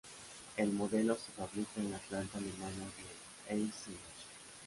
El modelo se fabrica en la planta alemana de Eisenach.